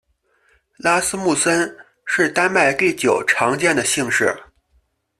拉斯穆森是丹麦第九常见的姓氏。